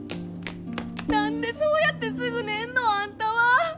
何でそうやってすぐ寝んのあんたは！